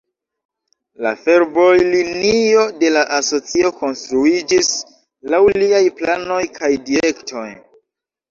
La fervojlinio de la asocio konstruiĝis laŭ liaj planoj kaj direktoj.